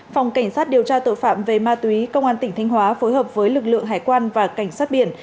phòng cảnh sát điều tra tội phạm về ma túy công an tỉnh thanh hóa phối hợp với lực lượng hải quan và cảnh sát biển